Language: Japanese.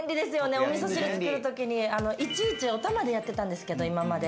おみそ汁作るときにいちいち、お玉でやってたんですけど、今まで。